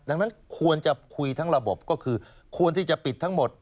ดังนั้นควรจะคุยทั้งระบบก็คือควรที่จะปิดทั้งหมด